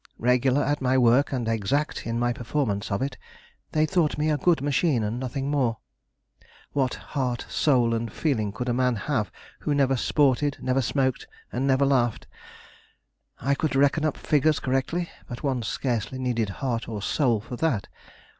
Regular at my work and exact in my performance of it, they thought me a good machine and nothing more. What heart, soul, and feeling could a man have who never sported, never smoked, and never laughed? I could reckon up figures correctly, but one scarcely needed heart or soul for that.